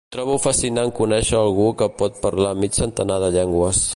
Trobo fascinant conèixer algú que pot parlar mig centenar de llengües.